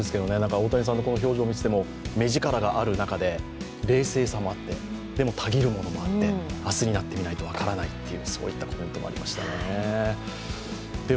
大谷さんの表情を見ていても目ヂカラのある中で冷静さもあって、でもたぎるものもあって、明日になってみないと分からないという、そういったコメントもありましたね。